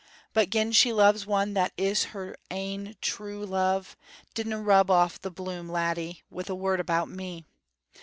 But gin she loves one that is her ain true love, dinna rub off the bloom, laddie, with a word about me.